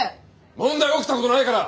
問題起きたことないから！